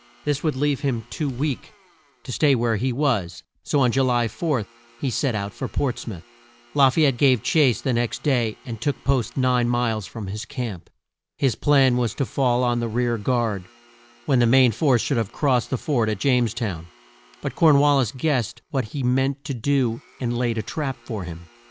This would leave him too weak to stay where he was, so on Ju ly 4 he set out for Ports mouth. La fay ette gave chase the next day and took post nine miles from his camp. His plan was to fall on the rear guard, when the main force should have crossed the ford at James town. But Corn wal lis guessed what he meant to do and laid a trap for him.